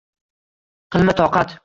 Qilma toqat